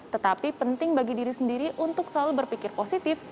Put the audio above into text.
tetapi penting bagi diri sendiri untuk selalu berpikir positif